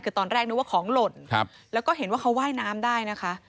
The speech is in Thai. คือตอนแรกนึกว่าของหล่นแล้วก็เห็นว่าเขาว่ายน้ำได้นะคะ